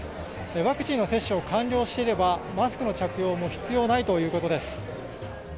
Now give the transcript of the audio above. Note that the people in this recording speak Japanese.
ワクチンの接種を完了していればマスクの着用も必要ないということです。